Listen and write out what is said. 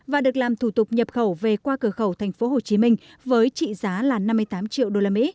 và được làm thủ tục nhập khẩu về qua cửa khẩu